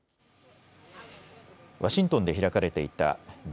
ワシントンで開かれていたＧ２０・